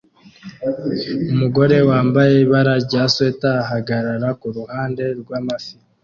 Umugore wambaye ibara rya swater ahagarara kuruhande rwamafi